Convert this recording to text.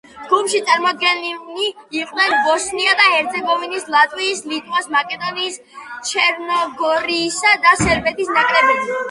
ჯგუფში წარმოდგენილნი იყვნენ ბოსნია და ჰერცეგოვინის, ლატვიის, ლიტვის, მაკედონიის, ჩერნოგორიისა და სერბეთის ნაკრებები.